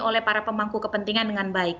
oleh para pemangku kepentingan dengan baik